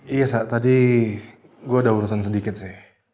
iya sa tadi gue ada urusan sedikit sih